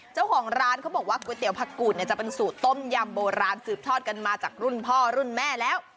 เจ้าของร้านเขาบอกว่าก๋วยเตี๋ยวผักกูดเนี่ยจะเป็นสูตรต้มยำโบราณสืบทอดกันมาจากรุ่นพ่อรุ่นแม่แล้ว